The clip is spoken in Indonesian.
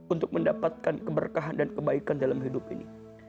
untuk mendapatkan keberkahan dan kebaikan dalam hidup ini